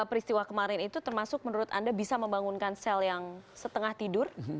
peristiwa kemarin itu termasuk menurut anda bisa membangunkan sel yang setengah tidur